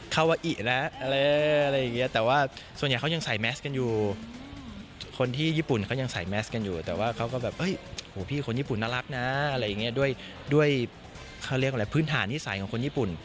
คนญี่ปุ่นน่ารักนะด้วยพื้นฐานีสัยของคนญี่ปุ่น